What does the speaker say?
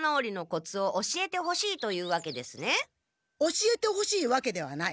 教えてほしいわけではない。